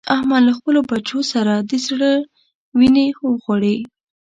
احمد له خپلو بچو سره د زړه وينې وخوړې.